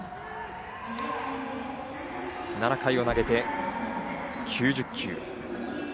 ７回を投げて９０球。